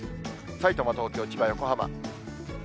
さいたま、東京、千葉、横浜。